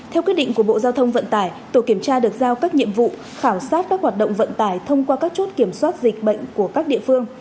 theo quyết định của bộ giao thông vận tải tổ kiểm tra được giao các nhiệm vụ khảo sát các hoạt động vận tải thông qua các chốt kiểm soát dịch bệnh của các địa phương